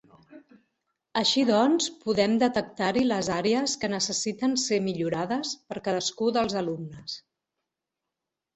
Així doncs, podem detectar-hi les àrees que necessiten ser millorades per cadascú dels alumnes.